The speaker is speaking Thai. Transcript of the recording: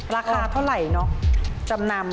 ราคาเท่าไหร่เนอะจำนำ